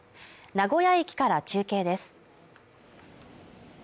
名古屋駅から中継です